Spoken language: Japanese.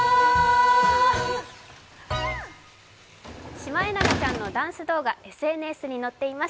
シマエナガちゃんのダンス動画、ＳＮＳに載っています。